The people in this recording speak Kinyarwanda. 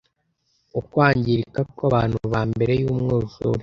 Ukwangirika kw’Abantu ba Mbere y’Umwuzure